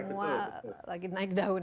semua lagi naik daun